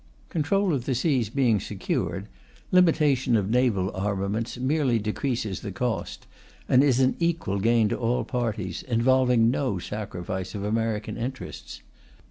Control of the seas being secured, limitation of naval armaments merely decreases the cost, and is an equal gain to all parties, involving no sacrifice of American interests.